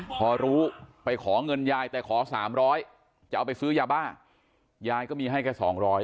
พอรู้ไปขอเงินยายแต่ขอ๓๐๐จะเอาไปซื้อยาบ้ายายก็มีให้แค่๒๐๐